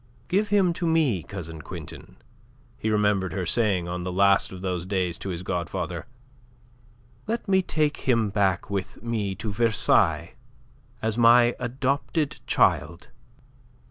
"Give him to me, Cousin Quintin," he remembered her saying on the last of those days to his godfather. "Let me take him back with me to Versailles as my adopted child."